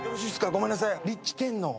ごめんなさい。